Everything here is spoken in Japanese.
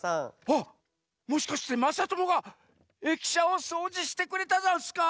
あっもしかしてまさともがえきしゃをそうじしてくれたざんすか？